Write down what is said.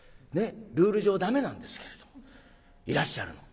ルール上駄目なんですけれどもいらっしゃるの。